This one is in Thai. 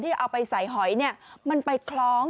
ที่เอาไปใส่หอยเนี่ยมันไปคล้อง